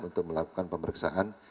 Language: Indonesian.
untuk melakukan pemeriksaan